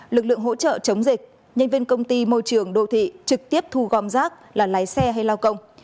lực lượng hỗ trợ chống dịch nhân viên công ty môi trường đô thị trực tiếp thu gom rác là lái xe hay lao công